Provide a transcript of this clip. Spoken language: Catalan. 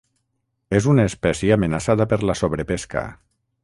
És una espècie amenaçada per la sobrepesca.